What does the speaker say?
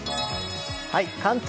関東